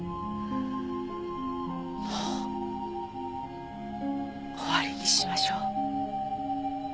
もう終わりにしましょう。